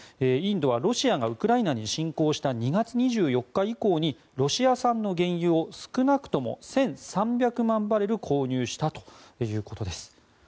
インドはロシアがウクライナに侵攻した２月２４日以降にロシア産の原油を少なくとも１３００万バレル購入したということです。